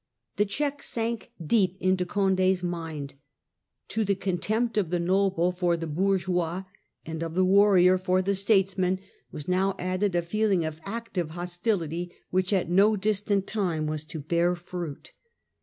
The check sank deep into Condos mind. To the contempt of the noble for the bourgeois and of the warrior for the statesman, was now added a feeling of active hostility which at no distant time was to bear fruit.